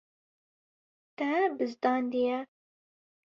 Te bizdandiye.